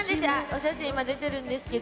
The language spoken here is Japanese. お写真今出てるんですけど。